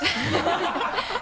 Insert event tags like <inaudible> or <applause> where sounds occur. ハハハ <laughs>